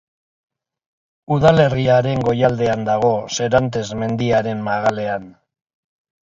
Udalerriaren goialdean dago, Serantes mendiaren magalean.